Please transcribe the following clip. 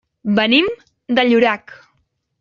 Venim de Llorac.